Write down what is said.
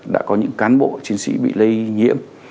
đã có những cán bộ chiến sĩ bị lây nhiễm